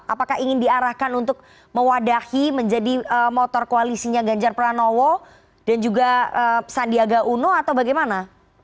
apakah ingin diarahkan untuk mewadahi menjadi motor koalisinya ganjar pranowo dan juga sandiaga uno atau bagaimana